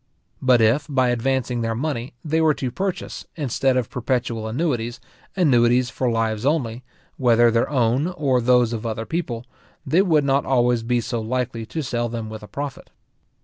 But if, by advancing their money, they were to purchase, instead of perpetual annuities, annuities for lives only, whether their own or those of other people, they would not always be so likely to sell them with a profit.